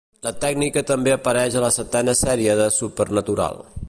La tècnica també apareix a la setena sèrie de "Supernatural".